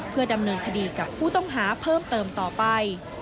เพื่อดำเนินคดีกับผู้ต้องหาเพิ่มเติมต่อไป